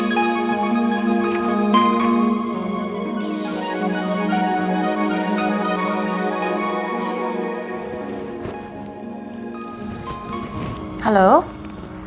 bersihkan ada bula anting itu